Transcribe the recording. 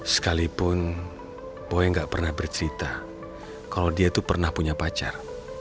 sekalipun boy gak pernah bercerita kalau dia itu pernah punya pacar